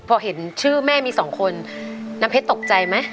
พอเห็นชื่อแม่มีสองคนน้ำเพชรตกใจไหม